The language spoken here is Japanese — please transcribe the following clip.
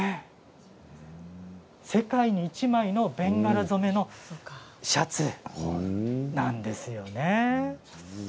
世界に１枚のベンガラ染めのシャツなんですよね。